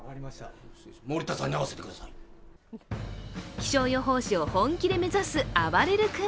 気象予報士を本気で目指すあばれる君。